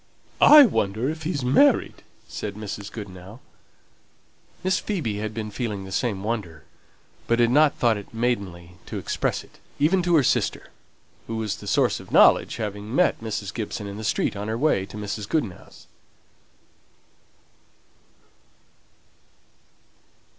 "I wonder if he's married!" said Mrs. Goodenough. Miss Phoebe had been feeling the same wonder, but had not thought it maidenly to express it, even to her sister, who was the source of knowledge, having met Mrs. Gibson in the street on her way to Mrs. Goodenough's.